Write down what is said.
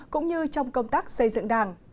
cũng như trong công tác xây dựng đảng